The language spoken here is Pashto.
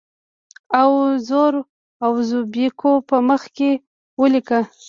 اوو زرو اوزبیکو په مخ کې ولیک.